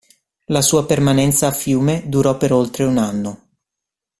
La sua permanenza a Fiume durò per oltre un anno.